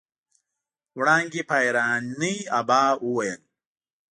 وړانګې په حيرانۍ ابا وويل.